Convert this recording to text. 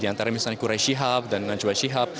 di antara misalnya kure shihab dan nganjua shihab